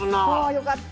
よかった！